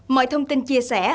mọi thông tin chia sẻ